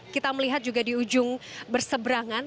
kita melihat juga di ujung berseberangan